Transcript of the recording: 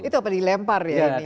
itu apa dilempar ya ini ya pak